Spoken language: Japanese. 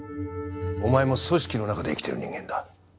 お前も組織の中で生きてる人間だ。